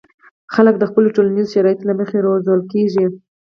خلک د خپلو ټولنیزو شرایطو له مخې روزل کېږي.